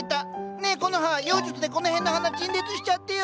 ねえコノハ妖術でこの辺の花陳列しちゃってよ！